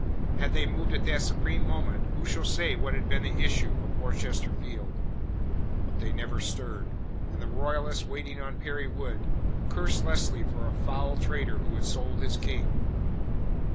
Had they moved at that supreme moment who shall say what had been the issue of Worcester field? But they never stirred, and the Royalists waiting on Perry Wood cursed Lesley for a foul traitor who had sold his King.